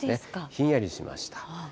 ひんやりしました。